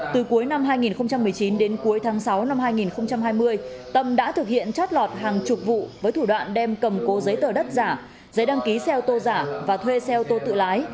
từ cuối năm hai nghìn một mươi chín đến cuối tháng sáu năm hai nghìn hai mươi tâm đã thực hiện trót lọt hàng chục vụ với thủ đoạn đem cầm cố giấy tờ đất giả giấy đăng ký xe ô tô giả và thuê xe ô tô tự lái